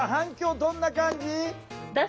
どんな感じ？